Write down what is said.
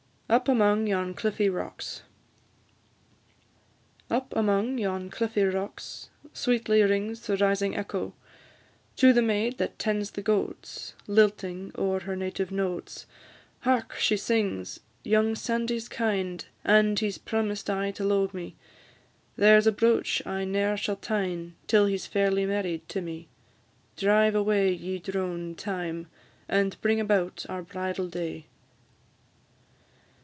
UP AMONG YON CLIFFY ROCKS. Up among yon cliffy rocks Sweetly rings the rising echo, To the maid that tends the goats Lilting o'er her native notes. Hark, she sings, "Young Sandy 's kind, An' he 's promised aye to lo'e me; Here 's a brooch I ne'er shall tine, Till he 's fairly married to me. Drive away, ye drone, Time, And bring about our bridal day.